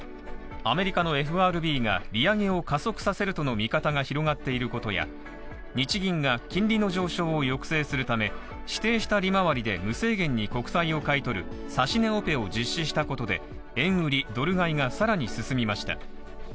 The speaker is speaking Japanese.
アメリカのＦＲＢが利上げを加速するとの見方が広がっていることや日銀が金利の上昇を抑制するため指定した利回りで無制限に国債を買い取る指し値オペを実施したことで、円売り・ドル買いが更に進みました。